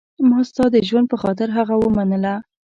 ما ستا د ژوند په خاطر هغه ومنله.